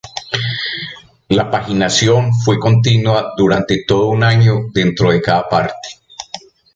La paginación fue continua durante todo un año dentro de cada parte.